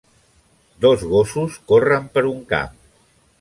Dos gossos corren per un camp.